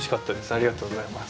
ありがとうございます。